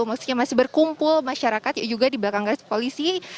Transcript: maksudnya masih berkumpul masyarakat juga di belakang garis polisi